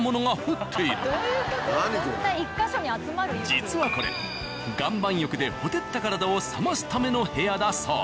実はこれ岩盤浴でほてった体を冷ますための部屋だそう。